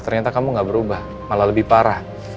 ternyata kamu gak berubah malah lebih parah